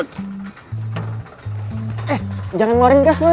eh jangan ngeluarin gas lu ya